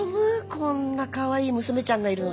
こんなかわいい娘ちゃんがいるのに？